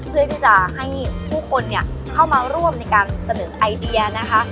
เพื่อที่จะให้ผู้คนเข้ามาร่วมในการเสนอไอเดียนะคะ